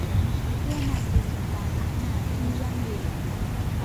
เพื่อนำไปสู่การพัฒนาที่ยั่งยืน